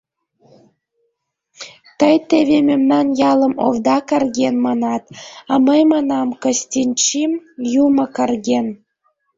Тый теве «мемнан ялым овда карген» манат, а мый манам: Кыстинчим юмо карген...